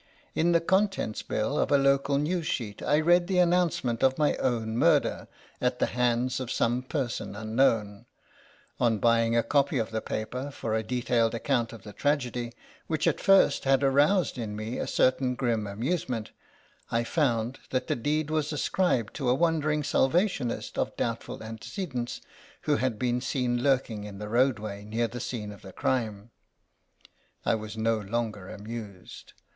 In the contents bill of a local news sheet I read the announce ment of my own murder at the hands of some person unknown; on buying a copy of the paper for a detailed account of the tragedy, which at first had aroused in me a certain grim amusement, I found that the deed was ascribed to a wandering Salvationist of doubtful antecedents, who had been seen lurking in the roadway near the scene of the crime. I was no longer amused.